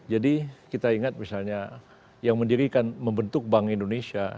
jadi kita ingat misalnya yang mendirikan membentuk bank indonesia